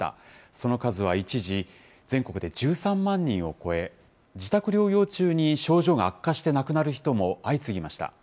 その数は一時、全国で１３万人を超え、自宅療養中に症状が悪化して亡くなる人も相次ぎました。